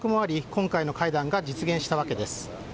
今回の会談が実現したわけです。